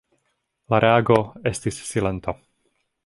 La reago estis silento.